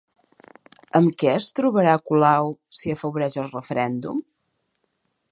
Amb què es trobarà Colau si afavoreix el referèndum?